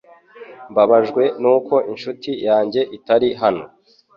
Mbabajwe nuko inshuti yanjye itari hano